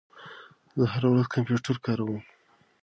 زه هره ورځ کمپیوټر کاروم.